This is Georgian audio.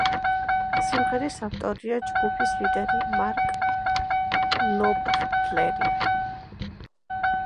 სიმღერის ავტორია ჯგუფის ლიდერი მარკ ნოპფლერი.